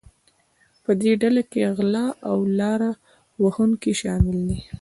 په دې ډله کې غلۀ او لاره وهونکي شامل وو.